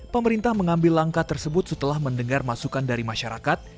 pemerintah mengambil langkah tersebut setelah mendengar masukan dari masyarakat